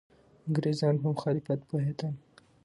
انګریزان په مخالفت پوهېدل.